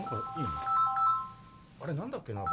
あれ何だっけな？